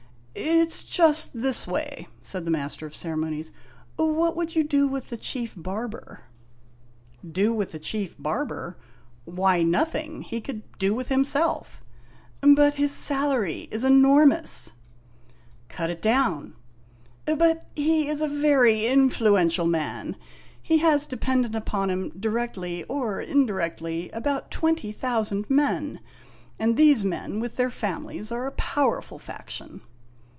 "It 's just this way," said the Master of Ceremonies; "what would you do with the Chief Barber?' " Do with the Chief Barber? Why, nothing. He could do with himself." 58 IMAGINOTIONS " But his salary is enormous." " Cut it down." " But he is a very influential man ; he has dependent upon him, directly or indirectly, about twenty thousand men, and these men, with their families, are a powerful faction.